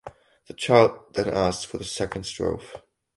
The child then asks for the second strophe.